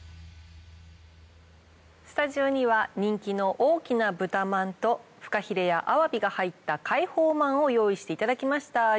スタジオには人気の大きなブタまんとふかひれやアワビが入った海宝まんを用意していただきました。